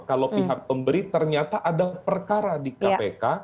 kalau pihak pemberi ternyata ada perkara di kpk